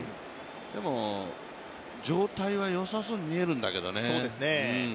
でも、状態はよさそうに見えるんだけどね。